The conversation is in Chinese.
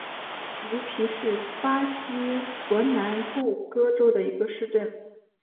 茹皮是巴西伯南布哥州的一个市镇。